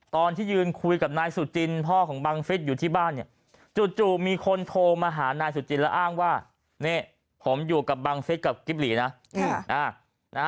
ตอนที่ยืนคุยกับนายสุจินพ่อของบังฟิศอยู่ที่บ้านเนี่ยจู่มีคนโทรมาหานายสุจินแล้วอ้างว่านี่ผมอยู่กับบังฟิศกับกิ๊บหลีนะ